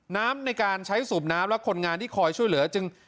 น้ำในการใช้สูบน้ำและคนงานที่คอยช่วยเหลือจึง